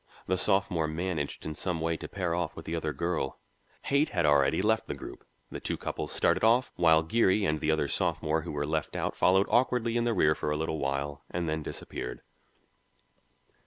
The sophomore managed in some way to pair off with the other girl; Haight had already left the group; the two couples started off, while Geary and the other sophomore who were left out followed awkwardly in the rear for a little way and then disappeared.